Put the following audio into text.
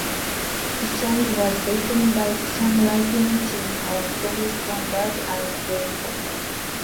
The song was written by the songwriting team of Dennis Lambert and Brian Potter.